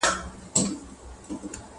له عطاره یې عطرونه رانیوله!.